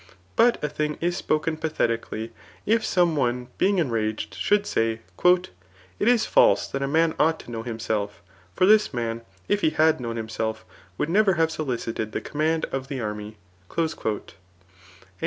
But a th^g iaqioken pathetically, if some one being enraged should say, ^' It is false that a man ought to know himself; for this man, if he had known himself, would never have solicited the conuaand of the army/' And the maaneis ■Iliad, 12.